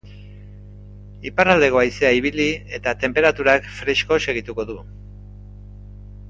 Iparraldeko haizea ibili eta tenperaturak fresko segituko du.